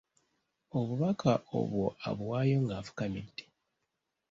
Obubaka obwo abuwaayo nga afukamidde.